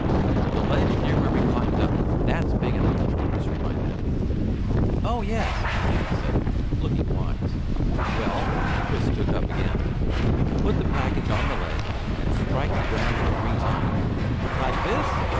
"The ledge near where we climbed up. That's big enough," Chris reminded him. "Oh yes," Amos said, looking wise. "Well," Chris took up again, "you put the package on the ledge and strike the ground three times " "Like this?"